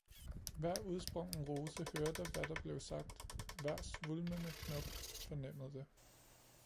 Hver udsprungen rose hørte hvad der blev sagt, hver svulmende knop fornemmede det